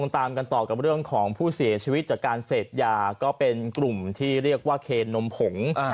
ตามกันต่อกับเรื่องของผู้เสียชีวิตจากการเสพยาก็เป็นกลุ่มที่เรียกว่าเคนนมผง